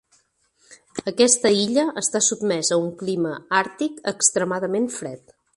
Aquesta illa està sotmesa a un clima àrtic extremadament fred.